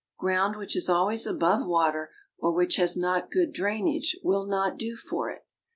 Ground which is always above water, or which has not good drainage, will not do for it.